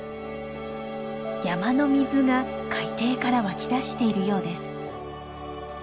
山の水が海底から湧き出しているようです。